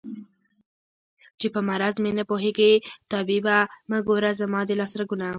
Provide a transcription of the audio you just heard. چې په مرض مې نه پوهېږې طبيبه مه ګوره زما د لاس رګونه